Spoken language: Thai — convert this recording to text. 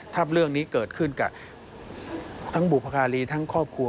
ถ้าเรื่องนี้เกิดขึ้นกับทั้งบุพการีทั้งครอบครัว